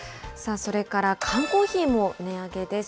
それから缶コーヒーも値上げです。